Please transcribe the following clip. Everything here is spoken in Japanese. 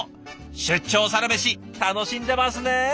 出張サラメシ楽しんでますね！